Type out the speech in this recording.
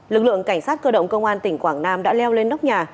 lực lượng cảnh sát cơ động công an tỉnh quảng nam đã leo lên nóc nhà